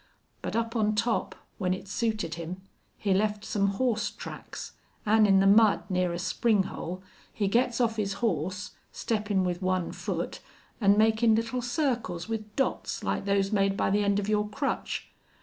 But up on top, when it suited him, he left some horse tracks, an' in the mud near a spring hole he gets off his horse, steppin' with one foot an' makin' little circles with dots like those made by the end of your crutch.